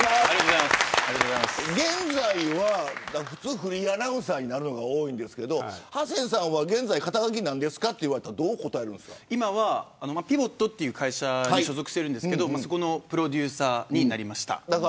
現在はフリーアナウンサーになるのが多いですけどハセンさんは現在、肩書は何ですかって言われたら今はＰＩＶＯＴという会社に所属していますがそこのプロデューサーです。